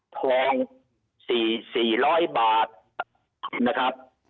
ทอง๔๐๐บาทนะครับ